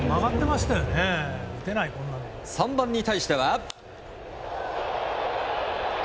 ３番に対しては。